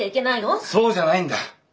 そうじゃないんだ。